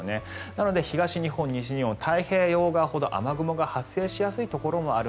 なので東日本、西日本太平洋側ほど雨雲が発生しやすい状況です。